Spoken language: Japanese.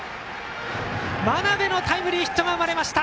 真鍋のタイムリーヒットが生まれました！